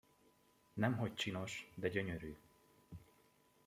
Nem hogy csinos, de gyönyörű!